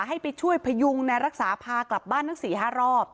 ให้ไปช่วยพยุงนายรักษาพากลับบ้านทั้ง๔๕รอบ